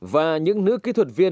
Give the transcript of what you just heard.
và những nữ kỹ thuật viên